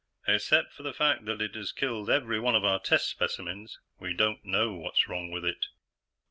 "Except for the fact that it has killed every one of our test specimens, we don't know what's wrong with it."